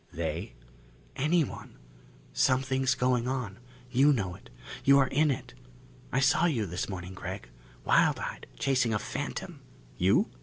"They?" "Anyone. Something's going on. You know it. You are in it. I saw you this morning, Gregg. Wild eyed, chasing a phantom " "You?"